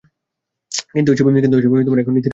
কিন্তু এসবে এখন ইতি টানা লাগবে।